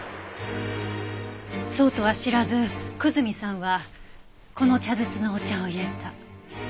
そうとは知らず久住さんはこの茶筒のお茶を淹れた。